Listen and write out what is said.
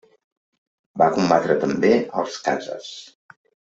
Va combatre també als khàzars.